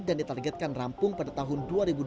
dan ditargetkan rampung pada tahun dua ribu dua puluh lima